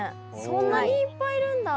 そんなにいっぱいいるんだ。